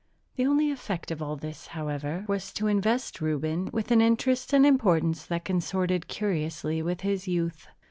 The only effect of all this, however, was to invest Reuben with an interest and importance that consorted curiously with his youth.